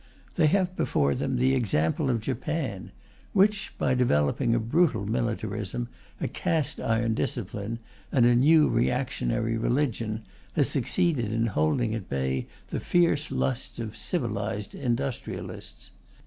They have before them the example of Japan, which, by developing a brutal militarism, a cast iron discipline, and a new reactionary religion, has succeeded in holding at bay the fierce lusts of "civilized" industrialists.